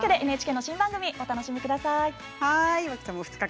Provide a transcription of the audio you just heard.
ＮＨＫの新番組お楽しみください。